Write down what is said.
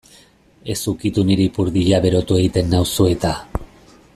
Ez ukitu nire ipurdia berotu egiten nauzu eta.